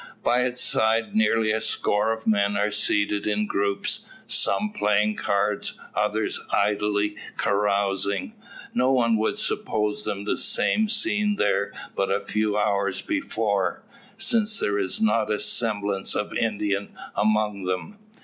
By its side nearly a score of men are seated in groups, some playing cards, others idly carousing. No one would suppose them the same seen there but a few hours before; since there is not the semblance of Indian among them.